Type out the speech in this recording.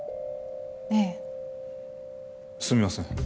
ええすみません